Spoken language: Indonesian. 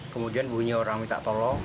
kemudian bunyi orang minta tolong